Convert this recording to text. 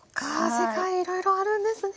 世界いろいろあるんですね。